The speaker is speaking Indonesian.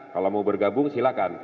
kalau mau bergabung silakan